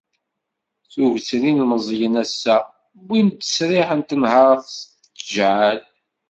Tuget n yilemẓiyen ass-a, wwin-d ttesriḥ n tenhert s tjeɛεal.